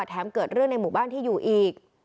เกิดเรื่องในหมู่บ้านที่อยู่อีก